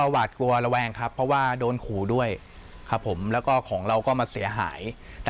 หูเมื่อวานก็ไปโรงพยาบาลเขาก็โทรเข้ามา